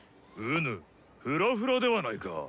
ウヌフラフラではないか！